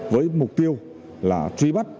với mục tiêu là truy bắt